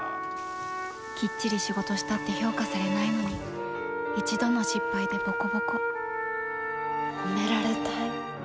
きっちり仕事したって評価されないのに一度の失敗でボコボコ褒められたい。